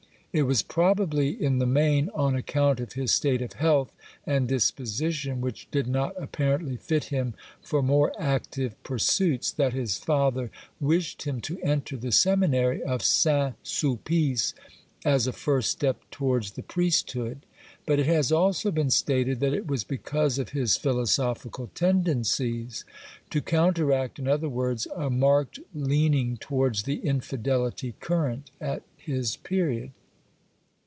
It was probably, in the main, on account of his state of health and disposition, which did not apparently fit him for more active pursuits, that his father wished him to enter the seminary of Saint Sulpice as a first step towards the priesthood, but it has also been stated that it was because of his philosophical tendencies — to counteract, in other words, a marked leaning towards the infidelity current at his period.